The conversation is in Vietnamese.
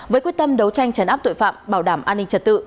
với quyết tâm đấu tranh chấn áp tội phạm bảo đảm an ninh trật tự